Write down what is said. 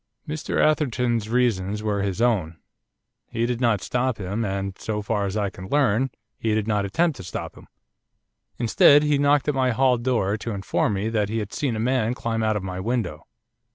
'Mr Atherton's reasons were his own. He did not stop him, and, so far as I can learn, he did not attempt to stop him. Instead, he knocked at my hall door to inform me that he had seen a man climb out of my window.